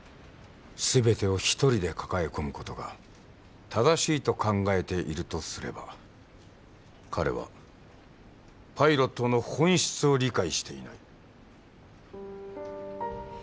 全てを一人で抱え込むことが正しいと考えているとすれば彼はパイロットの本質を理解していない。